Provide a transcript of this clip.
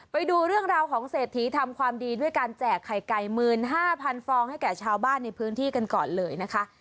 ไปดูเรื่องราวของเศรษฐีทำความดีด้วยการแจกไข่ไก่๑๕๐๐ฟองให้แก่ชาวบ้านในพื้นที่กันก่อนเลยนะคะ